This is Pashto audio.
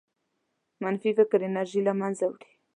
منفي فکر انرژي له منځه وړي.